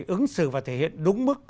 ứng sự và thể hiện đúng mức